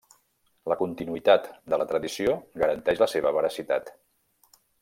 La continuïtat de la tradició garanteix la seva veracitat.